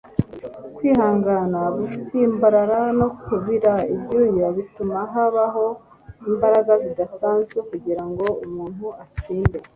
kwihangana, gutsimbarara no kubira ibyuya bituma habaho imbaraga zidasanzwe kugira ngo umuntu atsinde